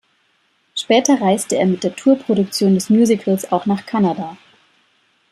Später reiste er mit der Tour-Produktion des Musicals auch nach Kanada.